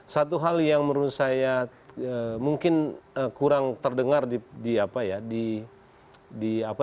satu hal yang menurut saya mungkin kurang terdengar di apa ya